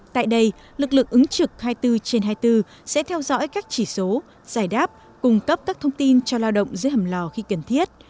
tại đây lực lượng ứng trực hai mươi bốn trên hai mươi bốn sẽ theo dõi các chỉ số giải đáp cung cấp các thông tin cho lao động dưới hầm lò khi cần thiết